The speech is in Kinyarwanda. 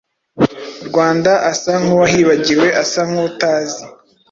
Rwanda asa nk'uwahibagiwe, asa nk'utazi